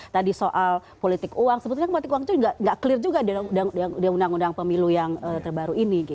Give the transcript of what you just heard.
tadi soal politik uang sebetulnya politik uang itu nggak clear juga di undang undang pemilu yang terbaru ini